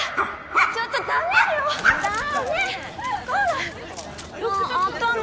ちょっとダメよダメ！